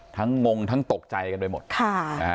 ทั้งงงทั้งตกใจกันไปหมดค่ะ